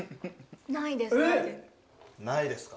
ないですか？